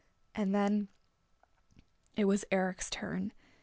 And then it was Eric's turn.